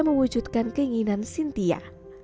mewujudkan keinginan sintia